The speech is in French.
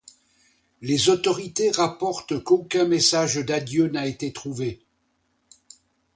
Les autorités rapportent qu'aucun message d'adieu n'a été trouvé.